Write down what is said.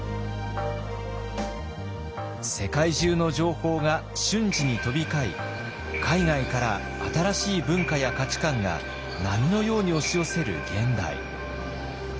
世界中の情報が瞬時に飛び交い海外から新しい文化や価値観が波のように押し寄せる現代。